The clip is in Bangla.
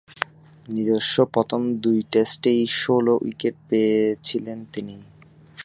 নিজস্ব প্রথম দুই টেস্টেই ষোলো উইকেট পেয়েছিলেন তিনি।